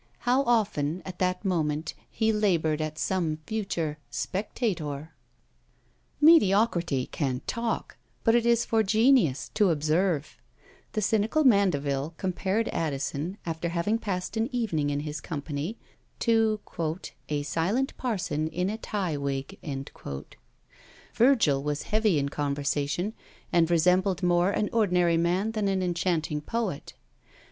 How often, at that moment, he laboured at some future Spectator! Mediocrity can talk; but it is for genius to observe. The cynical Mandeville compared Addison, after having passed an evening in his company, to "a silent parson in a tie wig." Virgil was heavy in conversation, and resembled more an ordinary man than an enchanting poet.